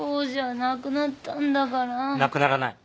なくならない。